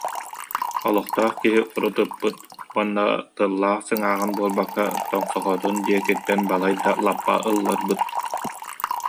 Олохтоох киһи урут ыппыт уонна тыллаах сыҥааҕын буолбакка, тоҥсохотун диэкиттэн балайда лаппа ылларбыт